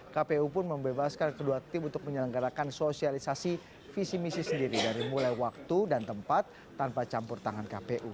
kpu pun membebaskan kedua tim untuk menyelenggarakan sosialisasi visi misi sendiri dari mulai waktu dan tempat tanpa campur tangan kpu